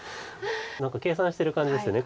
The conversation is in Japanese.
何か計算してる感じですよね